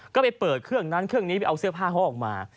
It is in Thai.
ก็ไปเปิดเครื่องนั้นเครื่องนี้ไปเอาเสื้อผ้าเขาออกมา